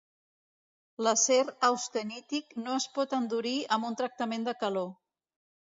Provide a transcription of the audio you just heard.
L'acer austenític no es pot endurir amb un tractament de calor.